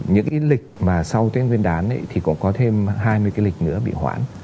những lịch mà sau tuyên viên đán thì cũng có thêm hai mươi lịch nữa bị hoãn